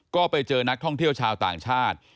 ก็ไปเจอนักท่องเที่ยวชาวต่างชาติ